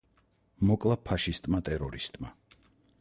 მოკლა ფაშისტმა ტერორისტმა.